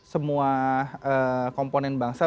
semua komponen bangsa